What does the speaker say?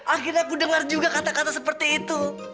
akhirnya aku dengar juga kata kata seperti itu